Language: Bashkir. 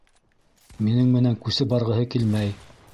Минең менән күсеп барғыһы килмәй.